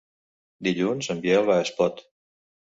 Dilluns en Biel va a Espot.